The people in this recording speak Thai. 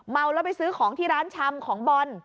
เมาแล้วไปซื้อของที่ร้านชำของบอล